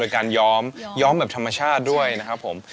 การย้อมย้อมแบบธรรมชาติด้วยนะครับผม